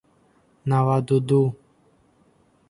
Наваду ду